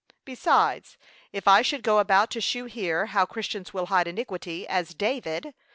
Besides, if I should go about to shew here, how Christians will hide iniquity, as David.